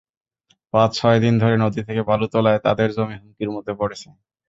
পাঁচ-ছয় দিন ধরে নদী থেকে বালু তোলায় তাঁদের জমি হুমকির মধ্যে পড়েছে।